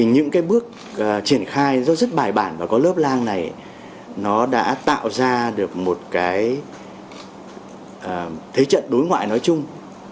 những bước triển khai rất bài bản và có lớp lang này đã tạo ra một thế trận đối ngoại nói chung